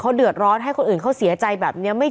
ครอบคนอื่นคือคนอื่นเขาก็จะเสียใจ